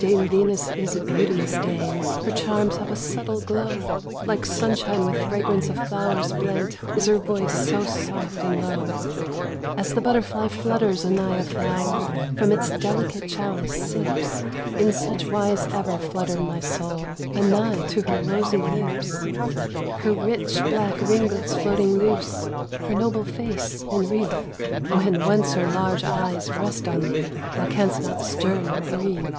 "Dame Venus is a beauteous dame, Her charms have a subtle glow. Like sunshine with fragrance of flowers blent Is her voice so soft and low. "As the butterfly flutters anigh a flower, From its delicate chalice sips, In such wise ever fluttered my soul Anigh to her rosy lips. "Her rich black ringlets floating loose, Her noble face enwreath. When once her large eyes rest on thee, Thou canst not stir nor breathe.